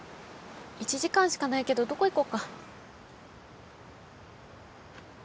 １時間しかないけどどこ行こうか？